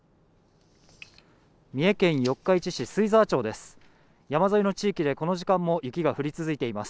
三重県四日市市水沢町です。